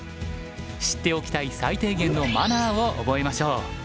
知っておきたい最低限のマナーを覚えましょう。